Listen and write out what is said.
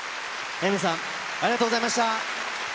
Ａｉｍｅｒさん、ありがとうございました。